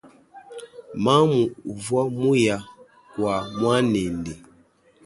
Mamu uva muya kua muanende.